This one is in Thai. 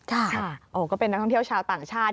ค่ะโอ้ก็เป็นนักท่องเที่ยวชาวต่างชาติ